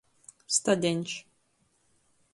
Stadeņš.